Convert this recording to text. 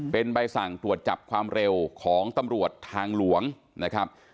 เป็นใบสั่งตรวจจับความเร็วของตำรวจทางหลวงนะครับ